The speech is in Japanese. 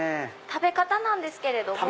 食べ方なんですけれども。